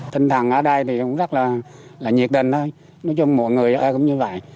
tinh thần ở đây thì cũng rất là nhiệt định thôi nói chung mọi người ở cũng như vậy